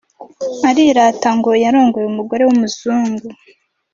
Arirata ngo yarongoye umugore wumuzungo